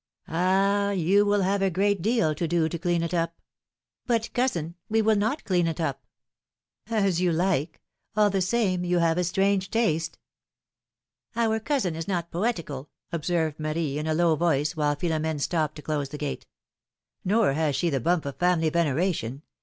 Ah I yoii will have a great deal to do to clean it up ! But, cousin, we will not clean it up ! ^^As you like ! all the same, you have a strange taste ! Our cousin is not poetical,^^ observed Marie, in a low voice, while Philom^ne stopped to close the gate. ^^Nor has she the bump of family veneration.